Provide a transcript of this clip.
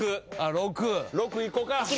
６？６いこうか。